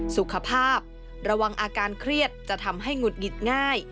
สุขภาพระวังอาการเครียดจะทำให้หงุดหงิดง่าย